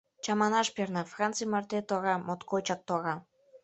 Чаманаш перна, Франций марте тора, моткочак тора.